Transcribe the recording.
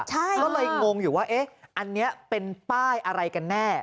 ก็เลยงงอยู่ว่าเอ๊ะอันนี้เป็นป้ายอะไรกันแน่